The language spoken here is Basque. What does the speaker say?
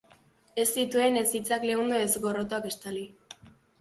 Ez zituen ez hitzak leundu, ez gorrotoak estali.